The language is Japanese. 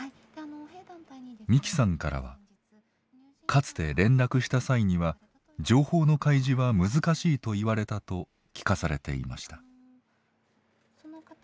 美希さんからは「かつて連絡した際には情報の開示は難しいと言われた」と聞かされていました。